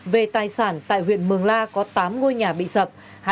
về tài sản tại huyện mường la có tám ngôi nhà bị sập